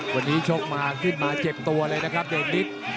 วันนี้ชกมาขึ้นมาเจ็บตัวเลยนะครับเดชนิด